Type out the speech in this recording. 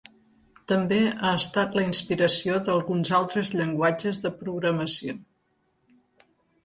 També ha estat la inspiració d'alguns altres llenguatges de programació.